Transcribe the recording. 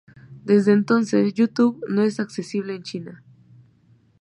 Desde entonces, YouTube no es accesible en China.